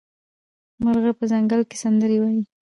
مرغه په ځنګل کې سندرې وايي.